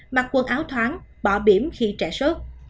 mặc quần áo thoáng bỏ biểm khi trẻ sốt